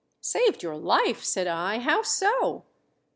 "Saved your life?" said I. "How so?"